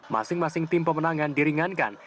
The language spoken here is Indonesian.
masing masing tim pemenangan diringankan